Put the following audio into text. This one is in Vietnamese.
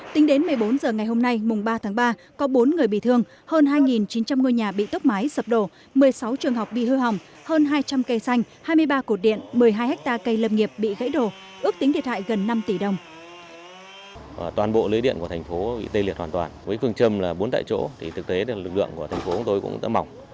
tính đến một mươi bốn h ngày hôm nay mùng ba tháng ba có bốn người bị thương hơn hai chín trăm linh ngôi nhà bị tốc mái sập đổ